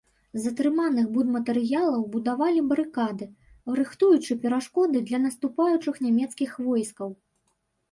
З атрыманых будматэрыялаў будавалі барыкады, рыхтуючы перашкоды для наступаючых нямецкіх войскаў.